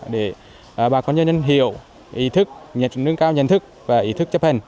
để bà con nhân hiểu ý thức nâng cao nhận thức và ý thức chấp hình